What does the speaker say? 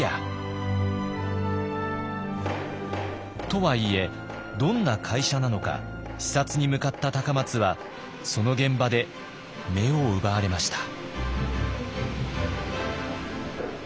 とはいえどんな会社なのか視察に向かった松はその現場で目を奪われました。